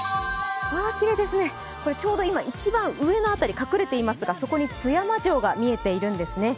きれいですね、ちょうど今、一番上の辺り、隠れていますが、そこに津山城が見えているんですね。